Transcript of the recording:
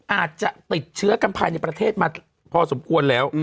อาจจะติดเชื้อกันภายในประเทศมาพอสมควรแล้ว